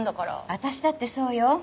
私だってそうよ。